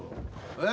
え？